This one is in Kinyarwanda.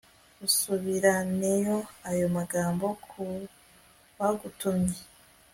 usubiraneyo ayo magambo ku bagutumye